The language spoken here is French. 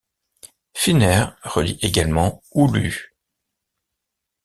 Finnair relie également Oulu.